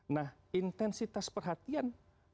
nah intensitas perhatian